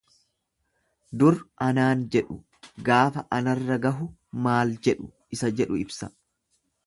Dur anaan jedhu gaafa anarra gahu maal jedhu isa jedhu ibsa.